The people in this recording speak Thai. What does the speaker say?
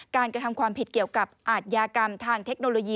กระทำความผิดเกี่ยวกับอาทยากรรมทางเทคโนโลยี